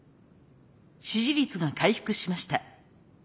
支持率が回復しました。